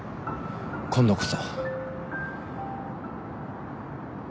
今度こそ。